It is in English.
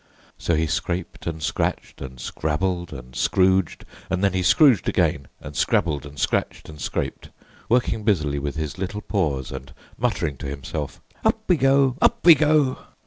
So he scraped and scratched and scrabbled and scrooged and then he scrooged again and scrabbled and scratched and scraped, working busily with his little paws and muttering to himself, "Up we go! Up we go!"